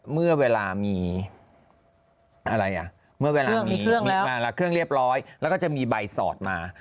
เมื่อเวลามีเครื่องเรียบร้อยแล้วก็จะมีใบสอดมา